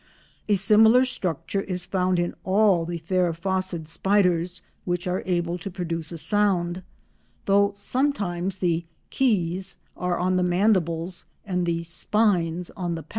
A similar structure is found in all the Theraphosid spiders which are able to produce a sound, though sometimes the "keys" are on the mandibles and the spines on the palp.